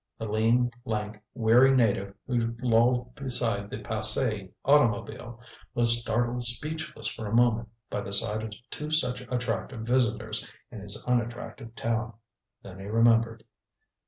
The lean, lank, weary native who lolled beside the passé automobile was startled speechless for a moment by the sight of two such attractive visitors in his unattractive town. Then he remembered.